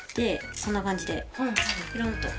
こんな感じでプルンと。